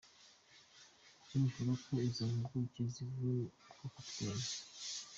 com, ivuga ko izo mpuguke zavuze ko Capt.